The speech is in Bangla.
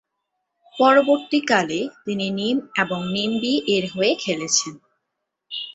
পরবর্তীকালে, তিনি নিম এবং নিম বি-এর হয়ে খেলেছেন।